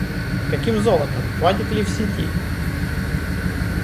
Каким золотом — хватит ли в Сити?!